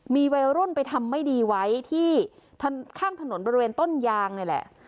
มีวัยรุ่นไปทำไม่ดีไว้ที่ข้างถนนบริเวณต้นยางนี่แหละ